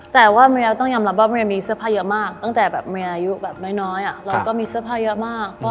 แต่ว่าแมวต้องยอมรับว่าเมียมีเสื้อผ้าเยอะมากตั้งแต่แบบเมียอายุแบบน้อยเราก็มีเสื้อผ้าเยอะมาก